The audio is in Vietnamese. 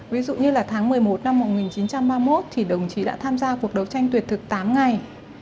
ví dụ như là tháng một mươi một năm một nghìn chín trăm ba mươi một thì đồng chí đã tham gia cuộc đấu tranh tuyệt thực tám ngày